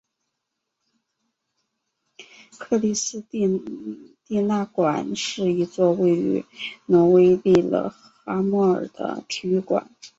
克里斯蒂娜馆是一座位于挪威利勒哈默尔的体育馆。